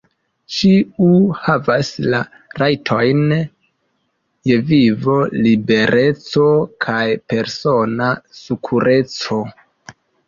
Ĉiu havas la rajtojn je vivo, libereco kaj persona sekureco.